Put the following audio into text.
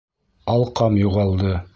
Алҡам юғалды.